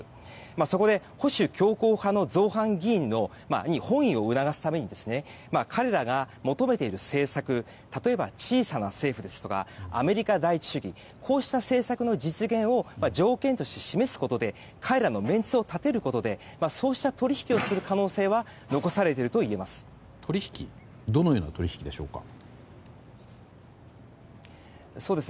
そこで保守強硬派の造反議員に翻意を促すために彼らが求めている政策例えば小さな政府ですとかアメリカ第一主義こうした政策の実現を条件として示すことで彼らのメンツを立てることでそうした取引をする可能性は残されているといえると思います。